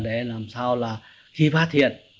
để làm sao là khi phát triển